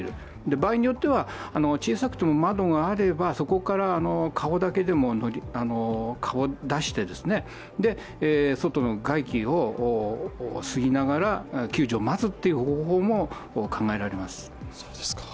場合によっては小さくでも窓があればそこから顔を出して、外の外気を吸いながら救助を待つ方法も考えられます。